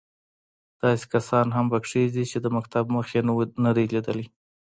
داسې کسان هم په کې دي چې د مکتب مخ یې نه دی لیدلی.